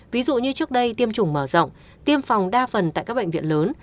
ví dụ như trước đây tiêm chủng mở rộng tiêm phòng đa phần tại các bệnh viện lớn